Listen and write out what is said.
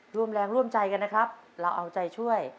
ร่วมแรงร่วมใจกันนะครับเราเอาใจช่วย